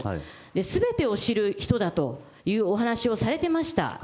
すべてを知る人だというお話をされてました。